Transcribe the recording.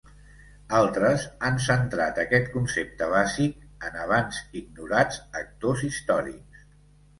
Altres han centrat aquest concepte bàsic en abans ignorats actors històrics.